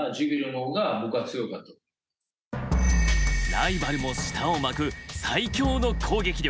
ライバルも舌を巻く最強の攻撃力。